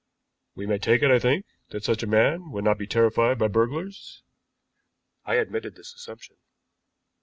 "We may take it, I think, that such a man would not be terrified by burglars." I admitted this assumption.